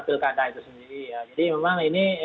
pilkada itu sendiri ya jadi memang ini